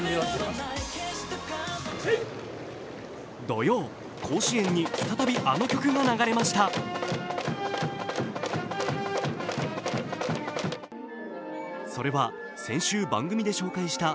土曜、甲子園に再びあの曲が流れました。